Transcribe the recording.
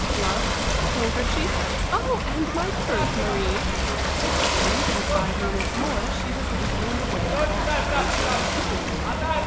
Gloves, handkerchief oh! and my purse, Marie." And in five minutes more she was leading the way back into her sitting room.